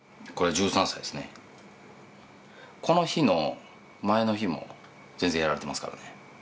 この日の前の日も全然やられてますからね。